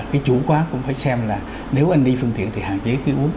cái chủ quá cũng phải xem là nếu anh đi phương tiện thì hạn chế cái uống